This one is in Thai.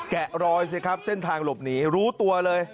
แกะรอยสิครับเส้นทางหลบหนีรู้ตัวเลย